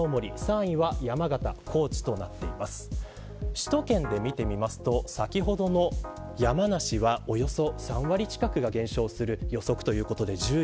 首都圏で見てみますと先ほどの山梨はおよそ３割近くが減少する予測です。